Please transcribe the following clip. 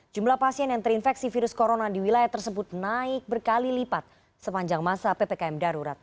jumlah pasien yang terinfeksi virus corona di wilayah tersebut naik berkali lipat sepanjang masa ppkm darurat